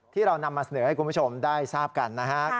ที่เรานำมาเสนอให้คุณผู้ชมได้ทราบกันนะฮะ